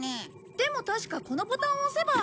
でも確かこのボタンを押せば。